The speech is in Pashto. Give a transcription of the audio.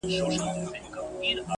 بار په چوپتيا کي وړي.